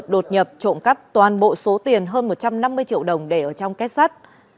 đột nhập trộm cắp toàn bộ số tiền hơn một trăm năm mươi triệu đồng để ở trong kết sắt